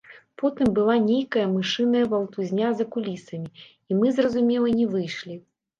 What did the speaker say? Потым была нейкая мышыная валтузня за кулісамі, і мы, зразумела, не выйшлі.